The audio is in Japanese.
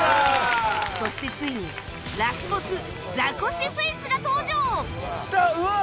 そしてついにラスボスザコシフェイスが登場